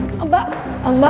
ada yang bisa dirugikan